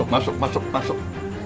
masuk masuk masuk